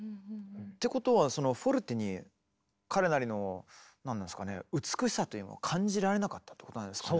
てことはそのフォルテに彼なりの何ですかね美しさというのを感じられなかったってことなんですかね。